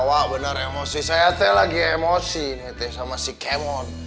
wah bener emosi saya lagi emosi sama si kemon